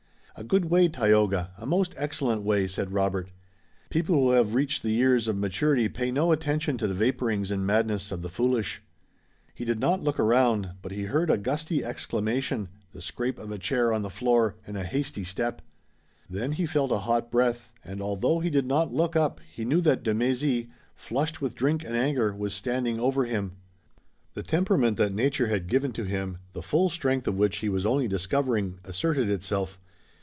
"A good way, Tayoga, a most excellent way," said Robert. "People who have reached the years of maturity pay no attention to the vaporings and madness of the foolish." He did not look around, but he heard a gusty exclamation, the scrape of a chair on the floor, and a hasty step. Then he felt a hot breath, and, although he did not look up, he knew that de Mézy, flushed with drink and anger, was standing over him. The temperament that nature had given to him, the full strength of which he was only discovering, asserted itself.